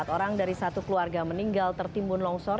empat orang dari satu keluarga meninggal tertimbun longsor